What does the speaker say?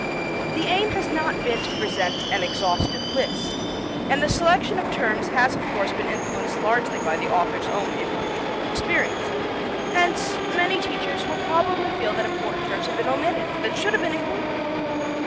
The aim has not been to present an exhaustive list, and the selection of terms has of course been influenced largely by the author's own individual experience, hence many teachers will probably feel that important terms have been omitted that should have been included.